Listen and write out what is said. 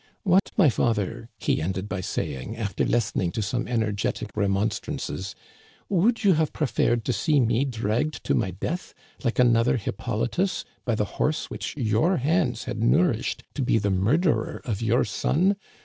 * What, my father,' he ended by saying, after listening to some energetic re monstrances, * would you have preferred to see me dragged to my death, like another Hippolytus, by the horse which your hands had nourished to be the mur derer of your son